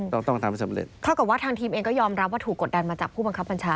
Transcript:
ต้องต้องทำให้สำเร็จเท่ากับว่าทางทีมเองก็ยอมรับว่าถูกกดดันมาจากผู้บังคับบัญชา